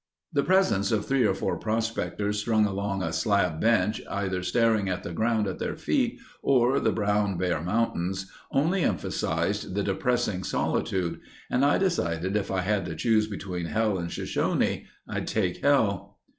The presence of three or four prospectors strung along a slab bench either staring at the ground at their feet or the brown bare mountains, only emphasized the depressing solitude and I decided if I had to choose between hell and Shoshone I'd take hell.